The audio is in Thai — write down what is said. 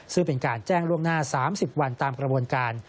ซึ่งเป็นการแจ้งล่วงหน้า๓๐วันตามกระบวนการ